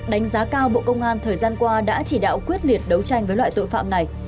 đánh giá cao bộ công an thời gian qua đã chỉ đạo quyết liệt đấu tranh với loại tội phạm này